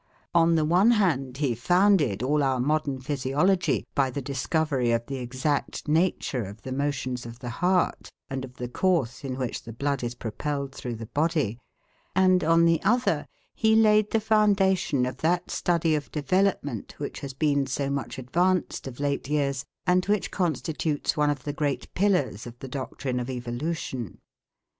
On the one hand, he founded all our modern physiology by the discovery of the exact nature of the motions of the heart, and of the course in which the blood is propelled through the body; and, on the other, he laid the foundation of that study of development which has been so much advanced of late years, and which constitutes one of the great pillars of the doctrine of evolution.